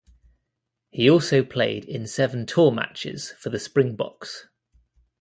He also played in seven tour matches for the Springboks.